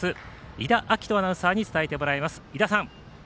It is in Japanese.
伊田晃都アナウンサーに伝えてもらいます。